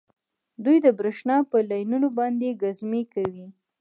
دوی د بریښنا په لینونو باندې ګزمې کوي